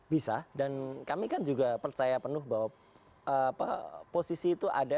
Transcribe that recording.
bisa dan kami kan juga percaya penuh bahwa posisi itu ada